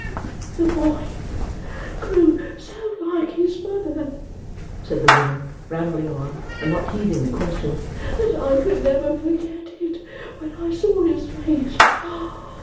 "The boy grew so like his mother," said the woman, rambling on, and not heeding the question, "that I could never forget it when I saw his face.